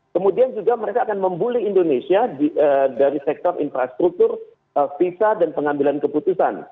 kemudian juga mereka akan membuli indonesia dari sektor infrastruktur visa dan pengambilan keputusan